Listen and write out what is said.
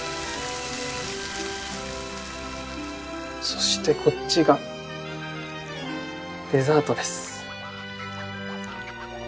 そしてこっちがデザートです。